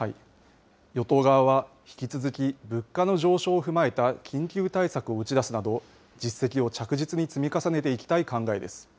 与党側は、引き続き、物価の上昇を踏まえた緊急対策を打ち出すなど、実績を着実に積み重ねていきたい考えです。